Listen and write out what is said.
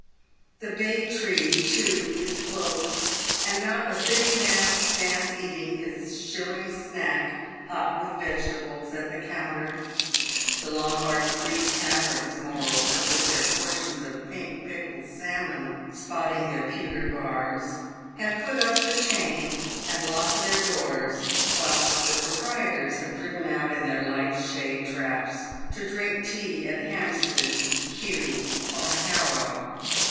The Bay tree, too, is closed, and not a City man stands eating his shilling snack " hot with vegetables" at the counter ; the Lombard street taverns, moreover, with their por tions of pink pickled salmon spotting their pewter bars, have put up the chain and locked their doors, whilst the proprietors have driven out in their light "shay" traps to drink tea at Hampstead, Kew, or Harrow.